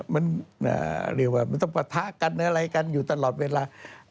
มันเรียกว่ามันต้องปะทะกันอะไรกันอยู่ตลอดเวลา